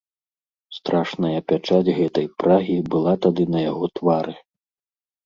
Страшная пячаць гэтай прагі была тады на яго твары.